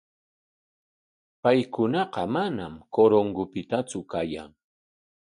Paykunaqa manam Corongopiktsu kayan.